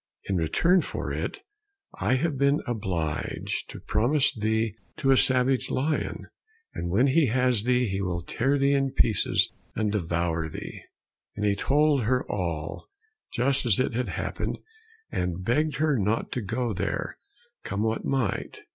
In return for it, I have been obliged to promise thee to a savage lion, and when he has thee he will tear thee in pieces and devour thee," and he told her all, just as it had happened, and begged her not to go there, come what might.